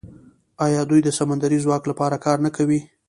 آیا دوی د سمندري ځواک لپاره کار نه کوي؟